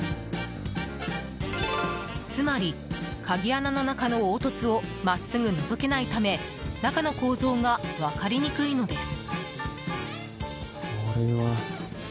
つまり、鍵穴の中のおうとつを真っすぐのぞけないため中の構造が分かりにくいのです。